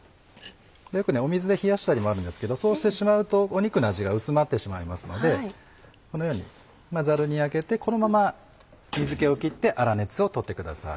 よく水で冷やしたりもあるんですけどそうしてしまうと肉の味が薄まってしまいますのでこのようにザルに上げてこのまま水気を切って粗熱をとってください。